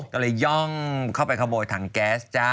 ก็เลยย่องเข้าไปขโมยถังแก๊สจ้า